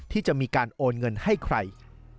ที่จะมีการโอนเงินให้ใคร